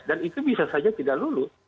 dan itu bisa saja tidak lulus